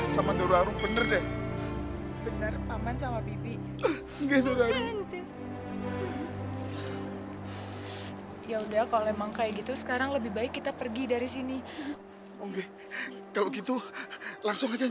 sampai jumpa di video selanjutnya